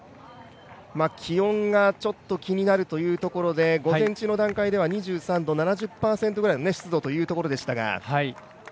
気温が気になるということで午前中の段階では２７度、７０％ぐらいの湿度というところでしたが。